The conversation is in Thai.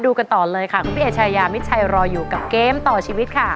กันต่อเลยค่ะคุณพี่เอชายามิดชัยรออยู่กับเกมต่อชีวิตค่ะ